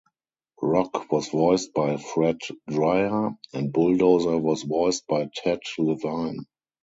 Rock was voiced by Fred Dryer and Bulldozer was voiced by Ted Levine.